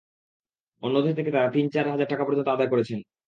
অন্যদের থেকে তাঁরা তিন থেকে চার হাজার টাকা পর্যন্ত আদায় করেছেন।